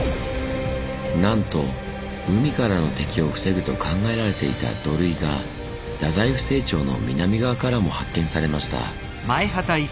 なんと海からの敵を防ぐと考えられていた土塁が大宰府政庁の南側からも発見されました。